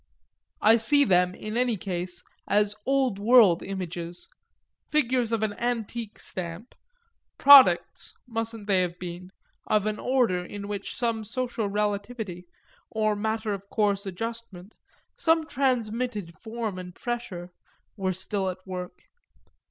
I see them in any case as old world images, figures of an antique stamp; products, mustn't they have been, of an order in which some social relativity or matter of course adjustment, some transmitted form and pressure, were still at work?